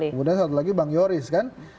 kemudian satu lagi bang yoris kan